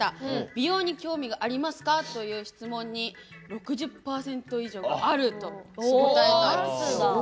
美容に興味がありますか？という質問に６０％以上があると答えたんです。